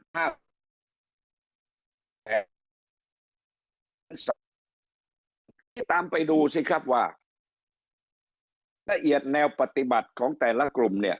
ถ้าตามไปดูสิครับว่าละเอียดแนวปฏิบัติของแต่ละกลุ่มเนี่ย